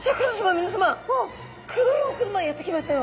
みなさま黒いお車やって来ましたよ。